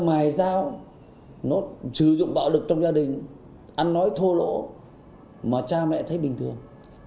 mài dao nó sử dụng bạo lực trong gia đình ăn nói thô lỗ mà cha mẹ thấy bình thường